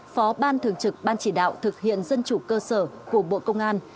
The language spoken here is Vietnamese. phó ban thường trực ban chỉ đạo thực hiện dân chủ cơ sở của bộ công an